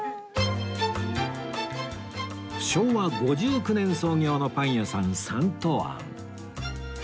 昭和５９年創業のパン屋さんサントアン